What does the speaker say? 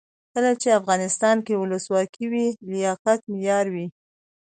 کله چې افغانستان کې ولسواکي وي لیاقت معیار وي.